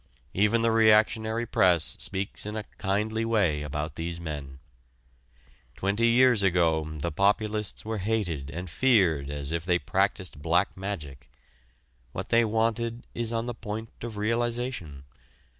Even the reactionary press speaks in a kindly way about these men. Twenty years ago the Populists were hated and feared as if they practiced black magic. What they wanted is on the point of realization.